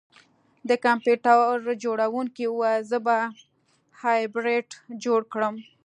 د کمپیوټر جوړونکي وویل زه به هایبریډ جوړ کړم